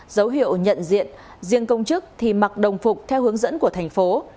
dấu hiệu nhận diện riêng công chức thì mặc đồng phục theo hướng dẫn của thành phố